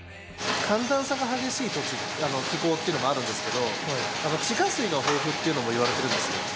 寒暖差が激しい土地気候っていうのがあるんですけど地下水が豊富っていうのもいわれてるんです。